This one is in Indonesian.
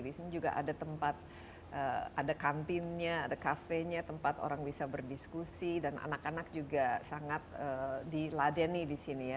di sini juga ada tempat ada kantinnya ada kafenya tempat orang bisa berdiskusi dan anak anak juga sangat diladeni di sini ya